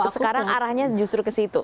sekarang arahnya justru kesitu